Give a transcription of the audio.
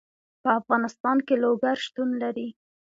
په افغانستان کې لوگر شتون لري.